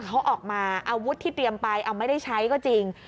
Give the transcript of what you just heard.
เขาออกมาอาวุธที่เตรียมไปเอาไม่ได้ใช้ก็จริง